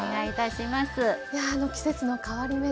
いやあの季節の変わり目で。